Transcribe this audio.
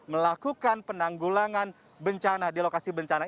melakukan penanggulangan bencana di lokasi bencana